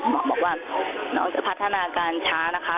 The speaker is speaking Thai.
หมอบอกว่าน้องจะพัฒนาการช้านะคะ